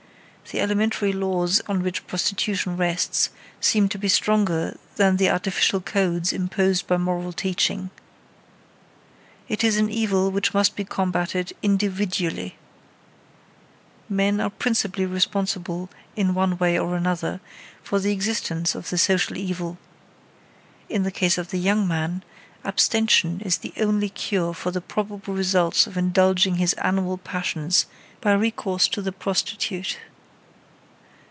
The elementary laws on which prostitution rests seems to be stronger than the artificial codes imposed by moral teaching. It is an evil which must be combatted individually. Men are principally responsible, in one way or another, for the existence of the social evil. In the case of the young man, abstention is the only cure for the probable results of indulging his animal passions by recourse to the prostitute.